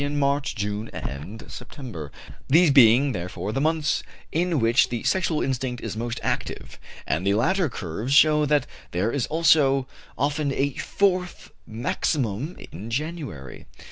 in March, June, and September, these being, therefore, the months in which the sexual instinct is most active; and the later curves show that there is also often a fourth maximum in January.